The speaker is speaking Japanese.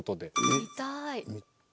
見たい。